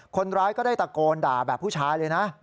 คนร้ายก็ได้ตะโกนด่าแบบผู้ชายเลยนะ